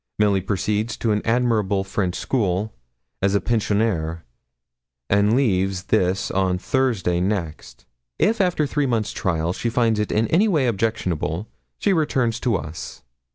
Milly proceeds to an admirable French school, as a pensionnaire, and leaves this on Thursday next. If after three months' trial she finds it in any way objectionable, she returns to us.